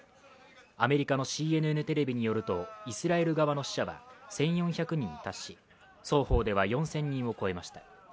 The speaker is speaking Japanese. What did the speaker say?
アメリカのＣＮＮテレビによると、イスラエル側の死者は１４００人に達し、双方では４０００人を超えました。